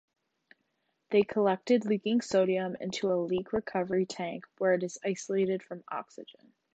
They collect leaking sodium into a leak-recovery tank where it is isolated from oxygen.